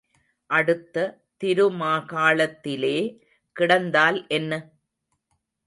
அடுத்த திருமாகாளத்திலே கிடந்தால் என்ன?